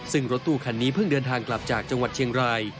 ซึ่งรถตู้คันนี้เพิ่งเดินทางกลับจากจังหวัดเชียงราย